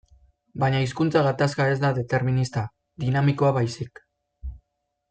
Baina hizkuntza gatazka ez da determinista, dinamikoa baizik.